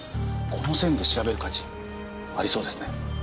この線で調べる価値ありそうですね。